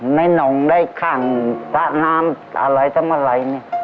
ในนองได้ข้างจ้ะน้ำหรืออะไรสักมารัยเนี่ย